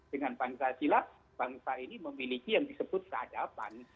dengan pancasila bangsa ini memiliki yang disebut keadapan